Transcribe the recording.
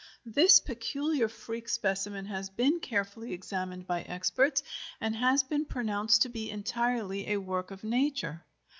This peculiar freak specimen has been carefully examined by experts and has been pronounced to be entirely a work of nature.